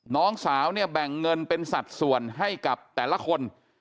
น้องสาวเนี่ยแบ่งเงินเป็นสัดส่วนให้กับแต่ละคน